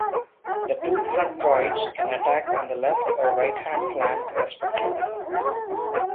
The two front droids can attack on the left- or right-hand flank respectively.